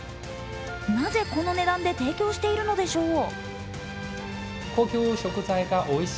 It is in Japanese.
なぜこの値段で提供しているのでしょう。